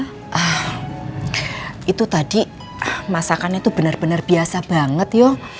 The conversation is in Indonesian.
ah itu tadi masakannya itu benar benar biasa banget